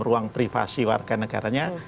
ruang privasi warga negaranya